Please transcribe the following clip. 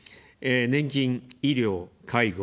年金・医療・介護。